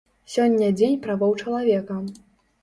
Сёння дзень правоў чалавека.